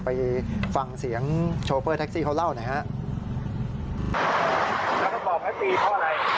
ไปฟังเสียงโชเฟอร์แท็กซี่เขาเล่าหน่อยฮะ